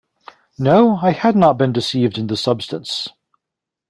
No, I had not been deceived in the substance.